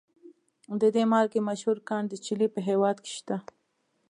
د دې مالګې مشهور کان د چیلي په هیواد کې شته.